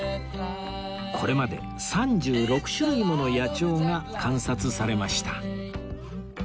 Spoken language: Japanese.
これまで３６種類もの野鳥が観察されました